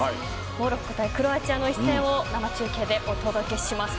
モロッコ対クロアチアの一戦を生中継でお届けします。